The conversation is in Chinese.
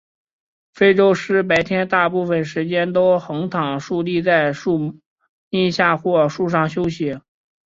非洲狮白天大部分时间都横躺竖卧在树荫下或树上休息。